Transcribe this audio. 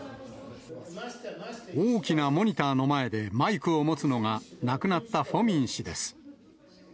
大きなモニターの前でマイクを持つのが、亡くなったフォミン氏です。